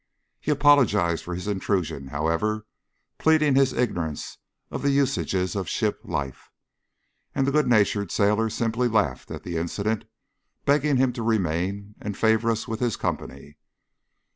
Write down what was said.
He apologised for his intrusion, however, pleading his ignorance of the usages of ship life; and the good natured sailor simply laughed at the incident, begging him to remain and favour us with his company.